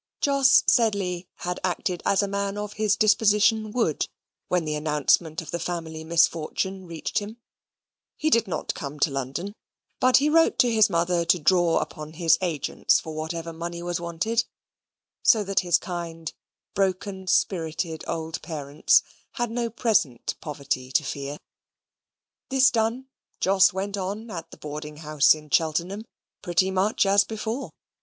Jos Sedley had acted as a man of his disposition would, when the announcement of the family misfortune reached him. He did not come to London, but he wrote to his mother to draw upon his agents for whatever money was wanted, so that his kind broken spirited old parents had no present poverty to fear. This done, Jos went on at the boarding house at Cheltenham pretty much as before.